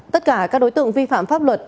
tất cả các đối tượng vi phạm pháp luật